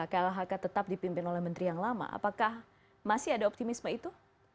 klhk tetap dipimpin oleh menteri yang lama apakah masih ada optimisme itu